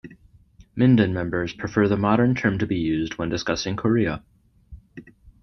Mindan members prefer the modern term to be used when discussing Korea.